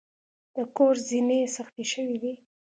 د کور زینې سختې شوې وې.